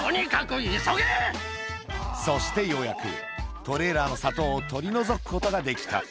そしてようやく、トレーラーの砂糖を取り除くことができた。